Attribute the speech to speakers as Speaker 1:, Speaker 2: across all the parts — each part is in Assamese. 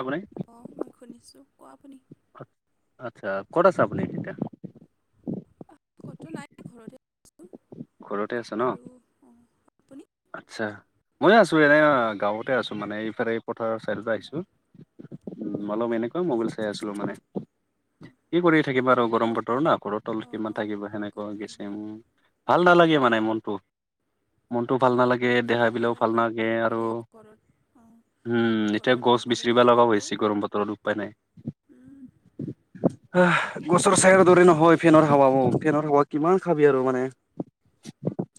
Speaker 1: আপুনি
Speaker 2: অ', মই শুনিছোঁ কোৱা আপুনি?
Speaker 1: আচ্ছা, ক'ত আছা আপুনি এতিয়া?
Speaker 2: আহ, ক'তো নাই ঘৰতে। আছোঁ
Speaker 1: ঘৰতে আছা
Speaker 2: আৰু
Speaker 1: নহ?
Speaker 2: অঁ, আপুনি
Speaker 1: আচ্ছা, মইও আছোঁ এনেই গাঁৱতে আছোঁ। মানে এইফালে এই পথাৰৰ ছাইডতে আহিছোঁ। উম,
Speaker 2: অঁ,
Speaker 1: [unintelligible] এনেকে মবাইল চাই আছিলো মানে। কি কৰি থাকিবা আৰু
Speaker 2: ক'ব
Speaker 1: গৰম বতৰ না ঘৰৰ তলত কিমান
Speaker 2: অঁ,
Speaker 1: থাকিব সেনেকুৱা
Speaker 2: গৰম হয়
Speaker 1: গিচিং ভাল নালাগে মানে মনটো। টো ভাল নালাগে
Speaker 2: মোৰতো
Speaker 1: দেহা বিলাকেও ভাল নালাগে আৰু
Speaker 2: অকলে ঘৰত অঁ,
Speaker 1: উম, এতিয়া
Speaker 2: ঘৰত
Speaker 1: গছ
Speaker 2: অকলে
Speaker 1: বিচৰিবা লগা হৈ
Speaker 2: থাকিলে
Speaker 1: হৈছে গৰম বতৰত। উপায় নাই
Speaker 2: উম।
Speaker 1: আহ গছৰ চাইয়াৰ দৰে নহয় ফেনৰ হাৱাও ফেনৰ হাৱা কিমান খাবি আৰু মানে।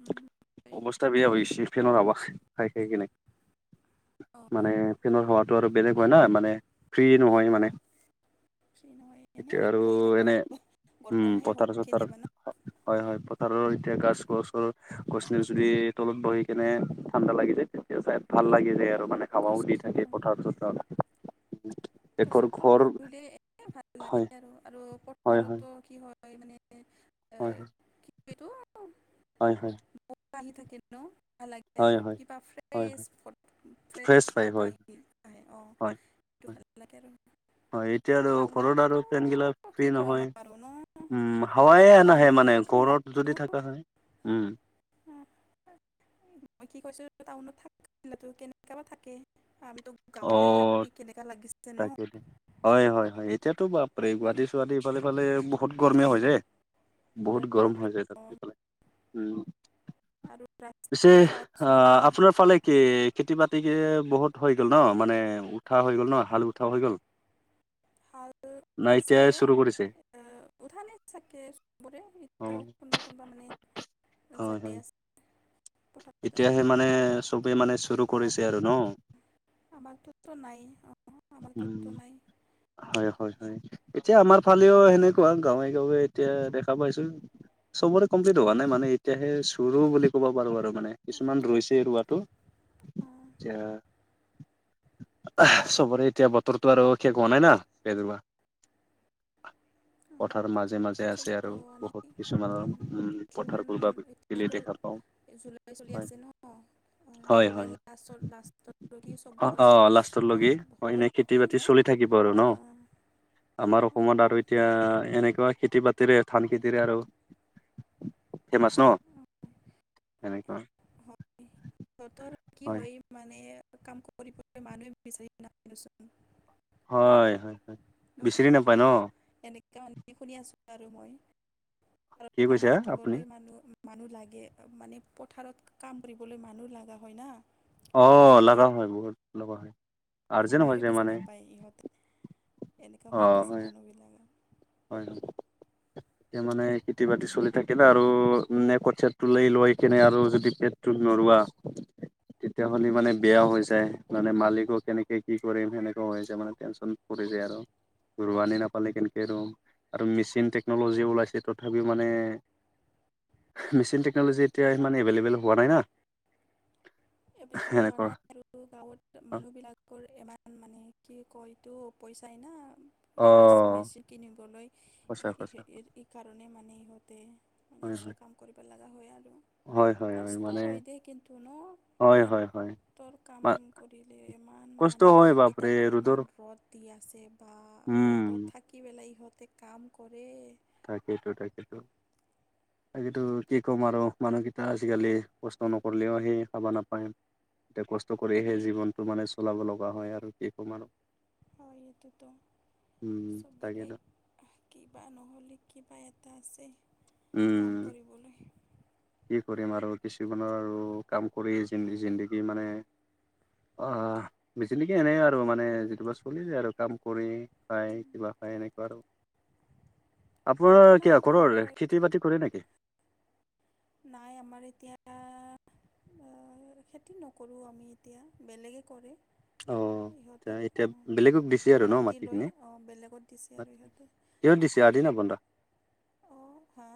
Speaker 2: উম, হয়।
Speaker 1: অৱস্থা বেয়া হৈছে ফেনৰ হাৱা খাই খাই কিনেই
Speaker 2: অঁ,
Speaker 1: মানে ফেনৰত হাৱাটো আৰু বেলেগ হয় না মানে ফ্ৰী নহয় মানে।
Speaker 2: ফ্ৰী নহয়
Speaker 1: এতিয়া
Speaker 2: এনেই
Speaker 1: আৰু
Speaker 2: ঘূৰি থাকে
Speaker 1: এনে
Speaker 2: আৰু
Speaker 1: উম
Speaker 2: গৰমহে হয়
Speaker 1: পথাৰ চথাৰ
Speaker 2: কেতিয়াবা ন
Speaker 1: হয়, হয়, পথাৰৰ এতিয়া গাছ-গছৰ গছনিৰ তলত বহি কেনে ঠাণ্ডা লাগি যায়, তেতিয়া চাই ভাল লাগি যায়
Speaker 2: উম,
Speaker 1: আৰু। মানে হাবাও
Speaker 2: কষ্ট
Speaker 1: দি থাকে
Speaker 2: অঁ।
Speaker 1: পথাৰত চথাৰ দেশৰ
Speaker 2: গছৰ
Speaker 1: ঘৰ
Speaker 2: তলত বহিলে এনে ভাল লাগে
Speaker 1: হয়
Speaker 2: আৰু, আৰু
Speaker 1: হয় হয়
Speaker 2: পথাৰতো কি হয় [unintelligible] মানে এ
Speaker 1: হয়
Speaker 2: কি এইটো
Speaker 1: হয় হয় হয় হয় হয় হয় ফ্ৰেছ পাই হয়
Speaker 2: [unintelligible] আহে অ',
Speaker 1: হয়
Speaker 2: সেইটো
Speaker 1: হয়
Speaker 2: ভাল লাগে আৰু।
Speaker 1: হয়, এতিয়া আৰু ঘৰত
Speaker 2: টাউনতো
Speaker 1: আৰু ফেন গিলা
Speaker 2: কি
Speaker 1: ফ্ৰী
Speaker 2: ক'ম
Speaker 1: নহয়।
Speaker 2: আৰু ন
Speaker 1: উম, হাৱা এ নাহে
Speaker 2: টাউনত
Speaker 1: মানে ঘৰত যদি থকা হয় উম।
Speaker 2: উম। মই কি কৈছো, টাউনত থাক কেনেক বা থাকে আমিতো গাঁৱতে থাকি কেনেকা লাগিছ
Speaker 1: তাকেইটো হয়, হয়, হয়, এতিয়াতো
Speaker 2: উম,
Speaker 1: গুৱাহাটী-চুৱাহাটী ইফালে সিফালে বহুত গৰম হৈ যায়। বহুত গৰম হৈ যায় তাতে, সেইফালে উম।
Speaker 2: আৰু
Speaker 1: পিছে,
Speaker 2: ৰাস্তাটো চাওকচোন
Speaker 1: অ'
Speaker 2: আপুনি
Speaker 1: আপোনাৰ ফালে কি খেতি-বাতি কে বহুত হৈ গ'ল নহ, মানে উঠা হৈ গ'ল নহ হাল উঠা হৈ গ'ল।
Speaker 2: হাল
Speaker 1: না
Speaker 2: উঠিছে।
Speaker 1: এতিয়াই চুৰু কৰিছে
Speaker 2: উঠা নে চাকে, চবৰে
Speaker 1: অ
Speaker 2: এতিয়াও কোনোবা কোনোবা মানে
Speaker 1: হয় হয়
Speaker 2: [unintelligible] পথাৰত যাই
Speaker 1: এতিয়াহে মানে
Speaker 2: আছে
Speaker 1: চবে মানে চুৰ
Speaker 2: আমাৰতো
Speaker 1: কৰিছে আৰু ন,
Speaker 2: আমাৰতোতো নাই, অ,
Speaker 1: উম
Speaker 2: আমাৰোতো নাই
Speaker 1: হয়, হয়, হয়, এতিয়া আমাৰ ফালেও সেনেকুৱা গাঁৱে গাঁৱে এতিয়া দেখা পাইছো চবৰে কমপ্লিট হোৱা নাই মানে এতিয়াহে চুৰৰু বুলি ক'ব পাৰো আৰু মানে
Speaker 2: অঁ,
Speaker 1: কিছুমান ৰুইছে ৰোৱাটো
Speaker 2: অঁ,
Speaker 1: এয়া চবৰে এতিয়া বতৰটোো আৰু সে হোৱা নাই না বা
Speaker 2: অঁ,
Speaker 1: পথাৰ মাজে মাজে মাজে আছে
Speaker 2: চবৰে
Speaker 1: আৰু,
Speaker 2: হোৱা নাই
Speaker 1: বহুত কিছুমানৰ
Speaker 2: অঁ,
Speaker 1: উম
Speaker 2: জুন
Speaker 1: পথাৰবোৰ বা খি
Speaker 2: এতিয়াতো
Speaker 1: দেখা পাওঁ
Speaker 2: জুলাই চলি
Speaker 1: হয়
Speaker 2: আছে ন
Speaker 1: হয়
Speaker 2: জুলাই
Speaker 1: হয়
Speaker 2: লাষ্টত লাষ্টত
Speaker 1: অ অ
Speaker 2: চবৰে
Speaker 1: লাষ্টৰ
Speaker 2: কিবা
Speaker 1: লগি হয় এনে খেতি
Speaker 2: নেকি
Speaker 1: বাতি
Speaker 2: ন
Speaker 1: চলি থাকিব আৰু ন
Speaker 2: অঁ,
Speaker 1: আমাৰ
Speaker 2: অঁ,
Speaker 1: অসমত আৰু এতিয়া এনেকুৱা খেতি বাতিৰে ধান খেতিৰে আৰু ফেমছ ন
Speaker 2: অ',
Speaker 1: সেনেকুৱা
Speaker 2: সিহঁতৰ কি হয় মানে, কাম কৰিব মানুহে বিচাৰি নচোন
Speaker 1: হয়, হয়, হয়, বিচৰি নাপায় ন
Speaker 2: এনেকে মানে, শুনি আছো আৰু মই
Speaker 1: কি
Speaker 2: কাম
Speaker 1: কৈছে আপুনি
Speaker 2: কৰিবলৈ মানুহ মানুহ লাগে মানে পথাৰত কাম কৰিবলৈ মানুহ লগা হয় না
Speaker 1: অ, লগা
Speaker 2: খেতিত
Speaker 1: হয় বহুত লগা হয়
Speaker 2: মানে,
Speaker 1: আৰ্জেণ্ট হৈ
Speaker 2: মায়ো
Speaker 1: যায়
Speaker 2: বেছি
Speaker 1: মানে
Speaker 2: নাপায় ইহঁত এনেককাা
Speaker 1: অ
Speaker 2: হৈ গৈছে মানুহ বিলাক
Speaker 1: হয়, হয়, - এয়া মানে খেতি বাতি চলি থাকে আৰু, নে ক চটটো ল লৈ কেনে আৰু যদি পেটটো নৰোৱা তেতিয়াাহ'লে মানে বেয়া হৈ যায়, মানে মালিকক কেনেকে কি কৰিম সেনেকা হৈ যায় মানে টেনন পৰি যায় আৰু ৰুৱানি নাপালে কেনেকে, ৰৰুওঁ আৰু মেচিন টেকন'লজি ওলাইছে তথাপিও মানে মেচিন টেকন'লজি এতিয়া ইমান এভেইলেবল হোৱা নাই না
Speaker 2: এভেইলেবল হোৱা
Speaker 1: সেনেকুৱা
Speaker 2: নাই, আৰু গাঁৱত মানুহবিলাকৰ ইমান মানে, কি কয় এইটো পইচাই না
Speaker 1: অ
Speaker 2: মেচ মেচিন কিনিবলৈ
Speaker 1: সঁচা সঁচা
Speaker 2: এইকাৰণে মানে ইহঁতে মানে
Speaker 1: হয়
Speaker 2: এনেকুৱা
Speaker 1: হয়
Speaker 2: কাম কৰিব লগা হয় আৰু
Speaker 1: হয় হয়
Speaker 2: কষ্ট
Speaker 1: মানে
Speaker 2: হয় দিয় কিন্তু ন
Speaker 1: হয়, হয়, হয়,
Speaker 2: ৰ কাম কৰিলে ইমান
Speaker 1: কষ্ট
Speaker 2: মানে,
Speaker 1: হয় বাপৰে
Speaker 2: এতিাতো
Speaker 1: ৰ'দৰ
Speaker 2: ইমান ৰ'দ দি আছে বা
Speaker 1: উম
Speaker 2: ৰ'দত থাকি পেলাই ইহঁতে কাম কৰে
Speaker 1: তাকেইেতো তাকেেতো তো কি ক'ম আৰু, মানুহকেইটা আজিকালি কষ্ট নকৰিলেও আহি খাব নাপায়- এয়া কষ্ট কৰিহে জীৱনটো মানে, চলাব লগা হয় আৰু কি ক ম আৰু
Speaker 2: হয়, এইটোতো
Speaker 1: উম
Speaker 2: চবৰে
Speaker 1: তাকেতো
Speaker 2: কিবা নহ'লে কিবা এটা আছে, কাম
Speaker 1: উম।
Speaker 2: কৰিবলৈ
Speaker 1: কি কৰিম, আৰু কিছুমানৰ আৰু কাম কৰি জিন্দগী মানে অ, বেছিনৈকি এনেই আৰু মানে যিটোপা চলি যায় আৰু কাম কৰি খাই কিবা, খায় এনেকুৱা আৰু আপোনাৰ ক
Speaker 2: কি
Speaker 1: ঘৰৰ
Speaker 2: কয়
Speaker 1: খেতি বাতি কৰে নেকি?
Speaker 2: নাই, আমাৰ এতিয়া খেতি নকৰোঁ, আমি এতিয়া বেলেগে কৰে
Speaker 1: অ এতিয়া
Speaker 2: ইহঁতে
Speaker 1: এতিয়া বেলেগক দিছে আৰু ন
Speaker 2: মাটি
Speaker 1: মাটিখিনি
Speaker 2: লৈ, বেলেগত দিছে আৰু ইিহঁতে
Speaker 1: সেই দিশি আহ দি ন বন্া
Speaker 2: অ' হা?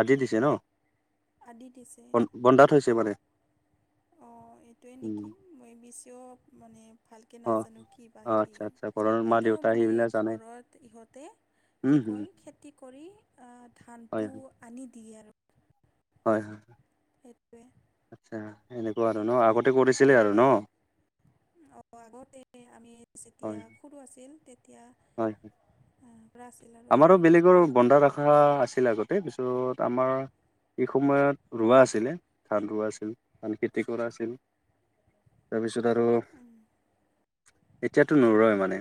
Speaker 1: আজি দিছে ন?
Speaker 2: আদি দিছে,
Speaker 1: বন্ধাত হৈছে মানে
Speaker 2: অ' এইটোৱে
Speaker 1: উম
Speaker 2: নেকি। মই বিশছিঁ মানে ভালকৈ
Speaker 1: অ
Speaker 2: নাজানো, কি বা
Speaker 1: অ
Speaker 2: কি
Speaker 1: আচ্ছা আচ্ছা ঘৰৰ মা
Speaker 2: কিন্তু
Speaker 1: দেউতা
Speaker 2: মানে
Speaker 1: সেইবিলাক জানে
Speaker 2: ঘৰত ইহঁতে
Speaker 1: উম
Speaker 2: কি
Speaker 1: হম
Speaker 2: কয়, খেতি কৰি
Speaker 1: হয়
Speaker 2: ধানটো
Speaker 1: হয়
Speaker 2: আনি দিয়ে আৰু।
Speaker 1: হয়, হয়।
Speaker 2: সেইটোৱে।
Speaker 1: আচ্ছা, এনেকুৱা আৰু ন আগতে কৰিছিলে আৰু ন?
Speaker 2: অ' আগতে আমি যেতিয়া
Speaker 1: হয়
Speaker 2: সৰু আছিল তেতিয়া
Speaker 1: হয়।
Speaker 2: উম। কৰা চিলা
Speaker 1: আমাৰো বেলেগৰ বন্ধা ৰখা আছিল, আগতে পিছত আমাৰ এই সময়ত ৰোৱা আছিলে, ধান ৰোৱা আছিল, ধান খেতি কৰা আছিল। তাৰপিছত আৰু
Speaker 2: উম।
Speaker 1: এতিয়াতো নুৰয় মানে।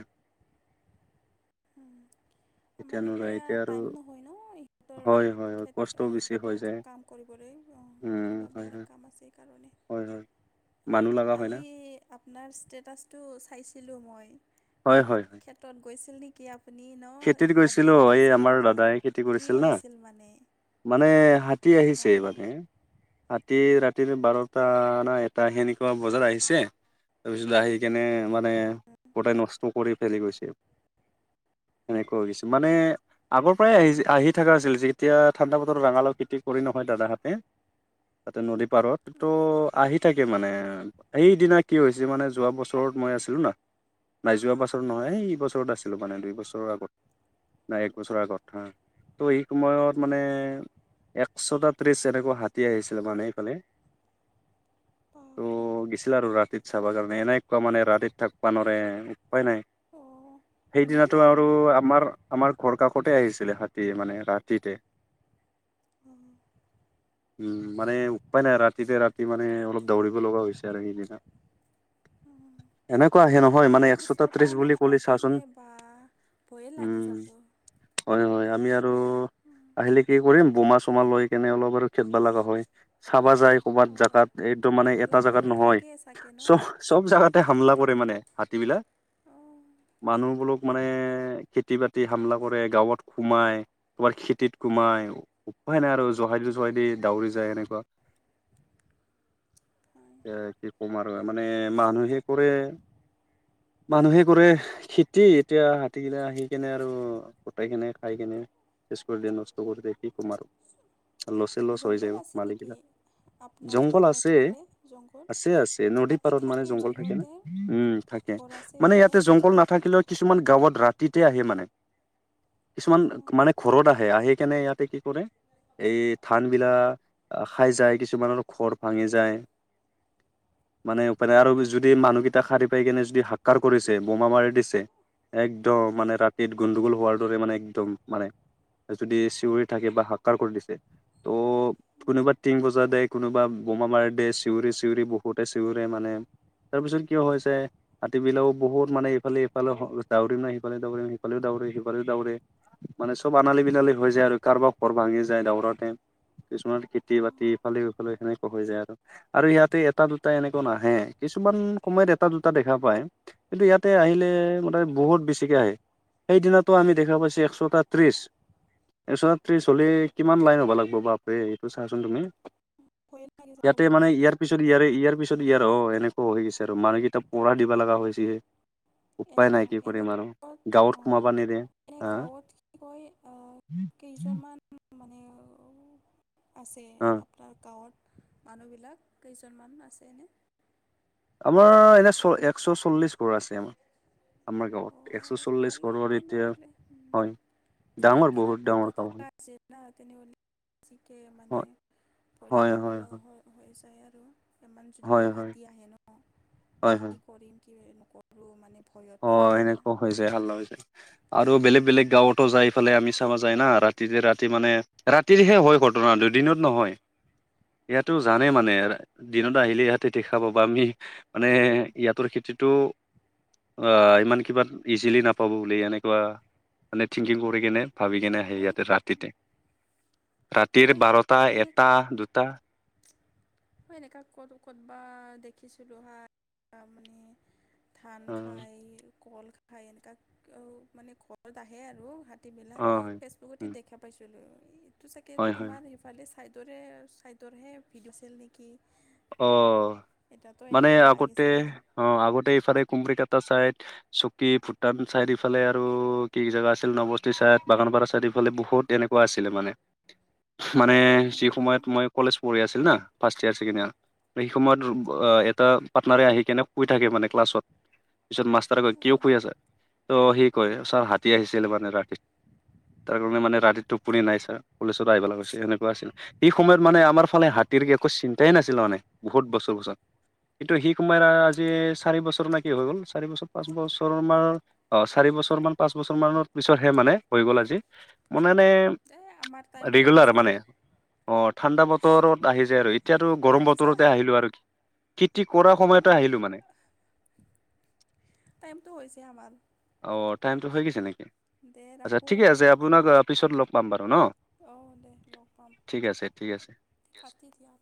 Speaker 2: আমাৰ এতিয়া টাইম নহয় ন,
Speaker 1: হয় হয়
Speaker 2: সহঁতৰ
Speaker 1: হয় কষ্ট
Speaker 2: খেত
Speaker 1: বেছি হৈ
Speaker 2: কেতত
Speaker 1: যায়
Speaker 2: কাম কৰিবলৈ,
Speaker 1: উম
Speaker 2: অ'কিবা
Speaker 1: হয় হয়
Speaker 2: বেলেগ কাম আছে কাৰণে।
Speaker 1: হয় হয়। মানুহ লগা হয়
Speaker 2: আজি
Speaker 1: না
Speaker 2: আপোনাৰ ষ্টেটাছটো চাইছিলোঁ মই।
Speaker 1: হয় হয়।
Speaker 2: তত গৈছিল নেকি আপুনি ন
Speaker 1: খেতিত গৈছিলো
Speaker 2: হাতী
Speaker 1: এই
Speaker 2: আহিছিল
Speaker 1: আমাৰ
Speaker 2: নেকি,
Speaker 1: দাদাই খেতি
Speaker 2: কি
Speaker 1: কৰিছিল না
Speaker 2: হৈছিল মানে।
Speaker 1: মানে হাতী আহিছে
Speaker 2: অঁ
Speaker 1: মানে। ৰাতি ৰাতি বাৰটা না এটা সেনেকুৱা বজাৰ আহিছে তাৰপিছত আহি কেনে মানে, গোতে নষ্ট কৰি ফেলি গৈছে। সেনেকুৱা হৈছে, মানে আগৰ পৰাই
Speaker 2: অঁ
Speaker 1: আহি আহি থকা আছিল, যেতিয়া ঠাণ্ডা বাতৰ ৰঙালাও খেতি কৰি নহয় দাদাহঁতে। তাতে নদী পাৰত, তো আহি থাকে মানে। সেইদিনা কি হৈছে মানে যোৱা বছৰত মই আছিলো না। নাই যোৱা বাছৰ নহয়, এই এই বছৰত আছিলো মানে দুই বছৰৰ আগত। নাই এক বছৰ আগত ত' এই সময়ত মানে একশটা ত্ৰিছ এনেকুৱা হাতী আহিছিলে মানে এইফালে।
Speaker 2: বাপৰে।
Speaker 1: আছিল আৰু ৰাতিত চাব কাৰণে এনেকুৱা মানে, ৰাতিত থাকব নোৱৰে উপায় নাই।
Speaker 2: এমান
Speaker 1: সেইদিনাটো
Speaker 2: ন [unintelligible]
Speaker 1: আৰু আমাৰ, আমাৰ ঘৰ কাষতে আহিছিলে হাতী মানে ৰাতিতে। [inaudible]
Speaker 2: অঁ
Speaker 1: উম' মানে উপায় নাই ৰাতিতে ৰাতি মানে অলপ দৌৰিব লগা হৈছে আৰু সেইদিনা।
Speaker 2: উম।
Speaker 1: এনেকুৱা আহে নহয় মানে একশটা ত্ৰিশ বুলি কল চাচোন
Speaker 2: বাহ।
Speaker 1: উম, হয় হয় আমি আৰু আহিলে কি কৰিম বোমা চোমা লৈ কেনে অলপ আৰু খেদব লগা হয়, চাবা যায় কৰ'ৰবাত
Speaker 2: অঁ
Speaker 1: জেগাত। একদম মানে এটা
Speaker 2: এইবিলাকতো
Speaker 1: জাগাত নহয়,
Speaker 2: থাকেই চাগে ন
Speaker 1: চব চব জেগাতে হামলা কৰে মানে। হাতীবিলাক,
Speaker 2: অঁ
Speaker 1: মানুহবোলক মানে, খেতি বাতি হামলা কৰে গাঁৱত সোমাই কোবাৰ খেতিত সোমাই। উপাই নাই আৰু জহাই দি, জহাই দি দাউৰি যায় এনেকুৱা।
Speaker 2: হয়
Speaker 1: এয়া, কি ক'ম আৰু মানে মানুহে কৰে। মানুহে কৰে খেতিত এতিয়া হাতীগিলা আহি কেনে আৰু গোটেই কেনে খাই কেনে চেছ কৰি দিয়ে নষ্ট কৰি দিয়ে কি কম আৰু। লছে লচ হৈ
Speaker 2: জংঘল
Speaker 1: যায়
Speaker 2: আছে নেকি
Speaker 1: মালিকবিলাক।
Speaker 2: আপোনাৰ
Speaker 1: জংঘল আছে,
Speaker 2: ফালে জংঘল
Speaker 1: আছে, আছে নদী পাৰত মানে জংঘল থাকে ন, উম, থাকে
Speaker 2: ঘৰ আছে
Speaker 1: মানে
Speaker 2: সিহঁতৰ
Speaker 1: ইয়াতে জংঘল নাথাকিলেও কিছুমান গাঁৱত ৰাতিতে আহে মানে। কিছুমান
Speaker 2: অঁ
Speaker 1: মানে ঘৰত আহে আহি কেনে ইয়াতে কি কৰে এই ধানবিলাক খাই যায়, কিছুমানৰ ঘৰ ভাঙি যায়। মানে উপায় নাই আৰু যদি মানুহকেইটা সাৰি পাই কিনে যদি হা'কাৰ কৰিছে বোমা মাৰি দিছে একদম
Speaker 2: অঁ
Speaker 1: মানে ৰাতিত গোণ্ডগোল হোৱাৰ দৰে মানে, একদম মানে। যদি চিঞৰি থাকে বা হা'কাৰ কৰি দিছে, ত' কোনোবা টিং বজা দে, কোনোবা বোমা মাৰ দে চিঞৰি, চিঞৰি বহুতে চিঞৰে মানে তাৰপিছত কিয় হৈছে, হাতীবিলাকও বহুত মানে এইফালে [inaudible] মানে চব আনালি বিনালি হৈ যায় আৰু কাৰোবাৰ ঘৰ ভাঙি যায় দাউৰতে। কিছুমান খেতি
Speaker 2: অঁ
Speaker 1: বাতি ইফালে সিফালে সেনেকে হৈ যায় আৰু। আৰু ইয়াতে এটা দুটা এনেকুৱা নাহে, কিছুমান সময়ত এটা দুটা দেখা পায়। কিন্তু ইয়াতে আহিলে মানে বহুত বেছিকে আহে। সেইদিনাতো আমি দেখা পাইছে একশটা ত্ৰিশ। একশটা ত্ৰিছ হ'লে কিমান লাইন হ'ব লাগিব বাপৰে এইটো চাচোন তুমি।
Speaker 2: ভয় লাগে যাব
Speaker 1: ইয়াতে, মানে ইয়াত
Speaker 2: দেখি
Speaker 1: ইয়াৰ পিছত
Speaker 2: পেলাই
Speaker 1: ইয়াৰে, ইয়াৰ পিছত ইয়াৰে অ', এনেকুৱা হৈ গৈছে আৰু মানুহকেইটা পহৰা দিব লগা হৈছিয়ে।
Speaker 2: এ
Speaker 1: উপাই নাই,
Speaker 2: অঁ
Speaker 1: কি কৰিম আৰু গাঁৱত সোমাব নিদিয়ে।
Speaker 2: এ,
Speaker 1: হা
Speaker 2: গাঁৱত কি কয়, অ', কেইজনমান মানে অ', আছে
Speaker 1: অ
Speaker 2: আপোনাৰ গাঁৱত, মানুহবিলাক কেইজনমান আছে এনে?
Speaker 1: আমাৰ এনে চ একশ চল্লিশ ঘৰ আছে আমাৰ। আমাৰ গাঁৱত, একশ
Speaker 2: অঁ
Speaker 1: চল্লিশ
Speaker 2: ভালেই
Speaker 1: ঘৰৰ এতিয়া
Speaker 2: তেনেহ'লে
Speaker 1: হয়!
Speaker 2: যদি
Speaker 1: ডাঙৰ
Speaker 2: এটা
Speaker 1: বহুত ডাঙৰ
Speaker 2: দুটা
Speaker 1: গাঁও
Speaker 2: থাকা আছে তেনে বেছিকে মানে ভয়
Speaker 1: হয়
Speaker 2: লাগিব
Speaker 1: হয়
Speaker 2: লগা
Speaker 1: হয়
Speaker 2: হৈ, হৈ যায় আৰু। ইমান যদি
Speaker 1: হয় হয় হয়
Speaker 2: হাতী আহে ন
Speaker 1: হয় হয়
Speaker 2: [unintelligible] কৰিম কি নকৰোঁ, মানে
Speaker 1: অ
Speaker 2: ভয়তে এনেকা।
Speaker 1: এনেকুৱা হৈ হাল্লা হৈ যায় আৰু বেলেগ, বেলেগ গাঁওতো যাই পেলাই আমি চাবা যায় না ৰাতিতে- ৰাতি মানে ৰাতিহে হয়, ঘটনা দুদিনত নহয়। ইয়াতো জানেই মানে আ দিনত আহিলে ইহঁতে দেখা পাব আমি মানে ইয়াতোৰ খেতিটো আহ, ইমান কিবা ইজিলি নাপাব বুলি এনেকুৱা। মানে থিংকিং কৰি কিনে ভাবি কেনে সেই
Speaker 2: মই
Speaker 1: ইয়াতে ৰাতিতে। ৰাতিৰ
Speaker 2: মই
Speaker 1: বাৰটা,
Speaker 2: এনেক
Speaker 1: এটা, দুটা।
Speaker 2: মই এনেকা ক'ত, ক'তবা দেখিছিলোঁ হা' মানে ধান
Speaker 1: অ
Speaker 2: খাই কল খাই এনেকুৱা মানে ঘৰত আহে আৰু হাত তীবিলাক,
Speaker 1: অ হয়
Speaker 2: ফেচবুকতে দেখা পাইছিলোঁ এইটো চাগে
Speaker 1: হয় হয়
Speaker 2: তোমাৰ ফালে চাইডৰে, চাইডৰেহে ভিডিঅ' আছিল নেকি!
Speaker 1: অ',
Speaker 2: এতিয়াতো
Speaker 1: মানে
Speaker 2: এনেকাই
Speaker 1: আগতে
Speaker 2: লাগিছে আৰু
Speaker 1: অ', আগতে ইফালে কুমৰিকাটা চাইড, চকী ভূটান চাইড ইফালে আৰু কি জেগা আছিল [unintelligible] চাইড, বাগানপাৰা চাইড, ইফালে বহুত তেনেকুৱা আছিলে মানে। মানে যি সময়ত মই কলেজ পঢ়ি আছিল না, ফাৰ্ষ্ট ইয়েৰ ছেকেণ্ড ইয়েৰ। সেই সময়ত এটা পাৰ্টনাৰে আহি কেনে শুই থাকে মানে ক্লাছত। পিছত মাষ্টাৰে কয় কিয় শুই আছা? ত' সি কয় ছাৰ হাতী আহিছিল মানে ৰাতি। তাৰ কাৰণে মানে ৰাতিটো টোপনি নাই ছাৰ কলেজত পৰা আহিব লাগৈ হৈছে সেনেকুৱা আছিল। সেই সময়ত মানে আমাৰ ফালে হাতীৰ একো চিন্তাই নাছিল মানে বহুত বছৰ বছৰ কিন্তটো সি কুমাৰ আজি চাৰি বছৰ নে কি হৈ গ'ল চাৰি বছৰ পাঁচ বছৰ আমাৰ অ', চাৰি বছৰ মান পাঁচ বছৰ মানৰ পিছতহে মানে হৈ গ'ল আজি। মানোনে
Speaker 2: দে আমাৰ টাইমটো
Speaker 1: ৰেগুলাৰ
Speaker 2: হৈছে
Speaker 1: মানে অ', ঠাণ্ডা বতৰত আহি যায় আৰু এতিয়াতো গৰম বত
Speaker 2: শুনিছা
Speaker 1: আৰু খেতি কৰাৰ সময়তে আহিলো মানে
Speaker 2: টাইমটো হৈছে আমাৰ
Speaker 1: অ', টাইমটো হৈ গৈছে নেকি
Speaker 2: দে
Speaker 1: আচ্ছা
Speaker 2: ৰাখোঁ
Speaker 1: ঠিকে
Speaker 2: আৰু
Speaker 1: আছে। আপোনাক পিছত লগ পাম বাৰু ন
Speaker 2: অ', দে লগ পাম
Speaker 1: ঠিক আছে ঠিক আছে
Speaker 2: পাতি দিয়া